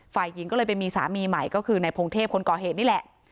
ฝ่ายหญิงก็เลยไปมีสามีใหม่ก็คือนายพงเทพคนก่อเหตุนี่แหละ